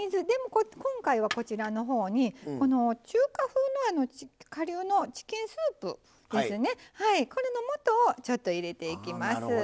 でも今回はこちらの方に中華風の顆粒のチキンスープですねこれの素をちょっと入れていきます。